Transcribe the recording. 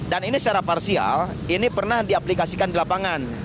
dan ini secara parsial ini pernah diaplikasikan di lapangan